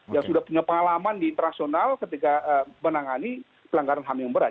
yang sudah punya pengalaman di internasional ketika menangani pelanggaran ham yang berat